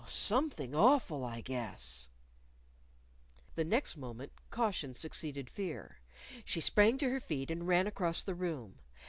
"Oh, something awful, I guess." The next moment caution succeeded fear. She sprang to her feet and ran across the room.